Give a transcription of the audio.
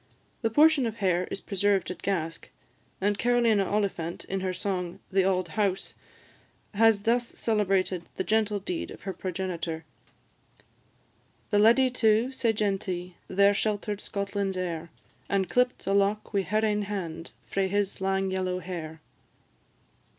The portion of hair is preserved at Gask; and Carolina Oliphant, in her song, "The Auld House," has thus celebrated the gentle deed of her progenitor: "The Leddy too, sae genty, There shelter'd Scotland's heir, An' clipt a lock wi' her ain hand Frae his lang yellow hair."